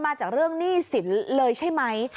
มาจากเรื่องหนี้สินเลยใช่ไหม